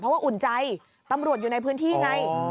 เพราะว่าอุ่นใจตำรวจอยู่ในพื้นที่ไง